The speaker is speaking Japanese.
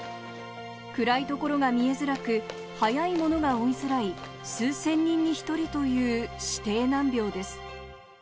暗いところが見えづらく早いものが追いづらい数千人に１人という指定難病です。